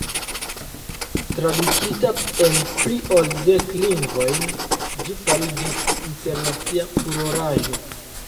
Tradukita en pli ol dek lingvojn, ĝi fariĝis internacia furoraĵo.